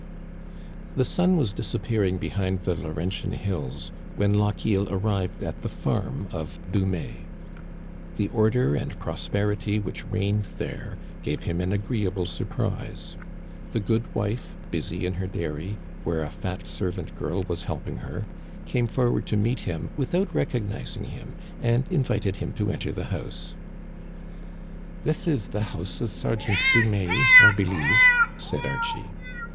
The sun was disappearing behind the Laurentian hills, when Lochiel arrived at the farm of Dumais. The order and prosperity which reigned there gave him an agreeable surprise. The good wife, busy in her dairy, Digitized by VjOOQIC CO.VCLUSION . 27s where a fat servant girl was helping her, came forward to meet him without recognizing him, and invited him to enter the house. " This is the house of Sergeant Dumais, I believe," said Archie.